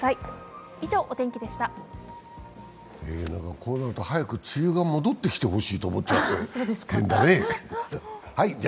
こうなると早く梅雨が戻ってきてほしいと思う、変だね。